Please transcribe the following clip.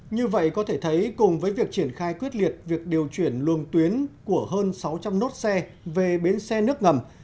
như vậy có thể thấy cùng với việc triển khai quyết liệt việc điều chuyển luồng tuyến của hơn sáu trăm linh nốt xe về bến xe nước ngầm